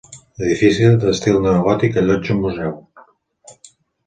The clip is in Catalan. L'edifici d'estil neogòtic allotja un museu.